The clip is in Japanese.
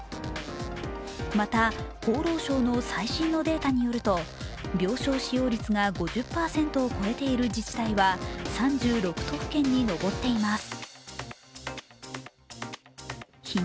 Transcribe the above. また、厚労省の最新のデータによると病床使用率が５０％を超えている自治体は３６都府県に上っています。